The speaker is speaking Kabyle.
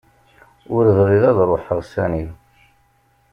Ur bɣiɣ ad ruḥeɣ sani.